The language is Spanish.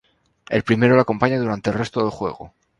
El primero le acompaña durante el resto del juego.